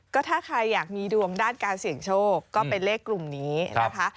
ก็ถ้าใครอยากมีดวงด้านการเสี่ยงโชคก็เป็นเลขกลุ่มนี้นะคะ